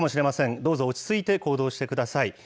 どうぞ落ち着いて行動してください。